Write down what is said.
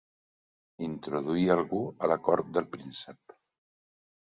Introduir algú a la cort del príncep.